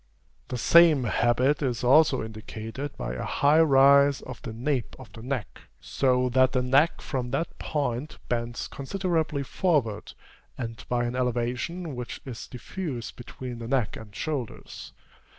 The same habit is also indicated by a high rise of the nape of the neck, so that the neck from that point bends considerably forward, and by an elevation which is diffused between the neck and shoulders.